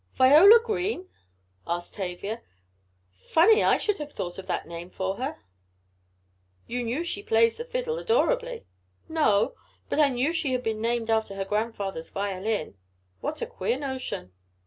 "Viola Green?" asked Tavia. "Funny I should have thought of that name for her." "You knew she plays the fiddle adorably." "No, but I knew she had been named after her grandfather's violin. What a queer notion."